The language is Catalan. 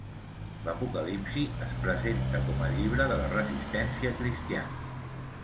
L'Apocalipsi es presenta com el llibre de la resistència cristiana.